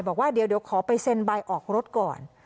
บอกว่าเดี๋ยวขอไปเซ็นใบออกรถก่อน